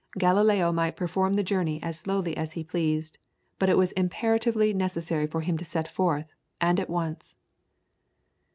Galileo might perform the journey as slowly as he pleased, but it was imperatively necessary for him to set forth and at once.